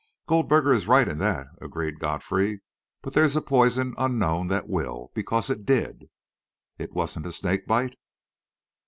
"Goldberger is right in that," agreed Godfrey; "but there's a poison unknown that will because it did." "It wasn't a snake bite?"